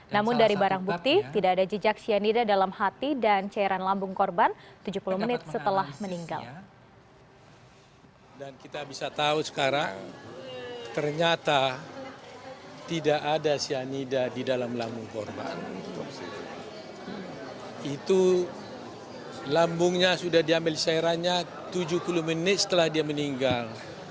namun dari barang bukti tidak ada jejak sianida dalam hati dan cairan lambung korban tujuh puluh menit setelah meninggal